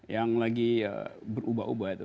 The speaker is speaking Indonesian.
yang lagi berubah ubah itu